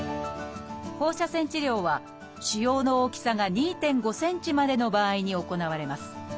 放射線治療は腫瘍の大きさが２．５ｃｍまでの場合に行われます。